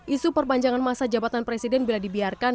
isu perpanjangan masa jabatan presiden bila dibiarkan